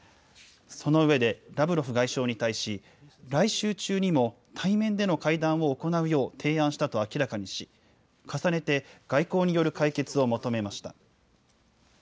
その上で、ラブロフ外相に対し、来週中にも対面での会談を行うよう提案したと明らかにし、重ねて外交による解決を求めました。